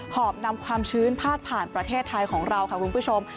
อบนำความชื้นพาดผ่านประเทศไทยของเราค่ะคุณผู้ชม